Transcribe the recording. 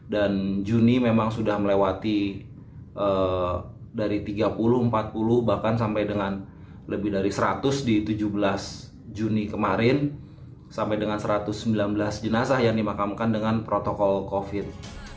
dan juni memang sudah melewati dari tiga puluh empat puluh bahkan sampai dengan lebih dari seratus di tujuh belas juni kemarin sampai dengan satu ratus sembilan belas jenazah yang dimakamkan dengan protokol covid